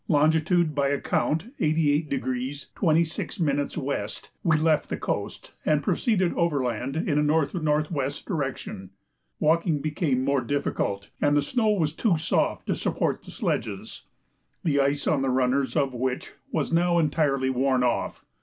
longitude by account 88° 26' W., we left the coast and proceeded over land in a north north west direction. Walking became more difficult, and the snow was too soft to support the sledges, the ice on the runners of which was now entirely worn off.